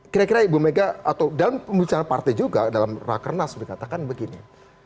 kira kira ibu mega atau dalam pembicaraan partai juga dalam rakernas mengatakan begini